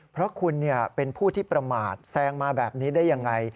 เพราะคุณเป็นผู้ที่ประมาทแซงมาแบบนี้ได้ยังไง